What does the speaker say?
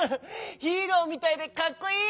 ヒーローみたいでかっこいい！